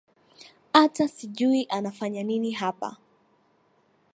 Ata sijui anafanya nini hapa